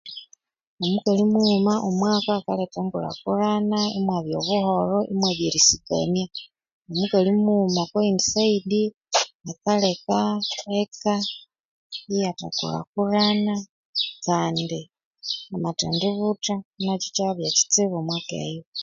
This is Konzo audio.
Omukali mughuma omwaka akaletha engulhakulhana imwabya obuholho imwabya erisikania omukali mughuma okwa yindi side akaleka eyatha kulhakulhana amathend butha nkyo ikyabya kyitsibu omwaka eyo